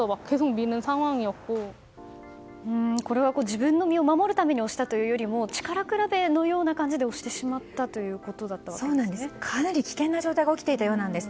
自分の身を守るために押したというよりも力比べのような感じで押してしまったかなり危険な状態が起きていたようです。